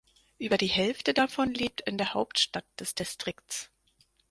Über die Hälfte davon lebt in der Hauptstadt des Distrikts.